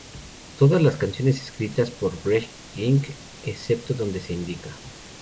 Todas las canciones escritas por Greg Ginn, excepto donde se indica.